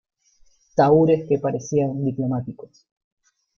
tahúres que parecían diplomáticos